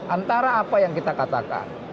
antara apa yang kita katakan